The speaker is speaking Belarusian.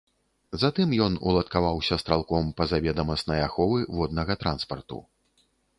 Затым ён уладкаваўся стралком пазаведамаснай аховы воднага транспарту.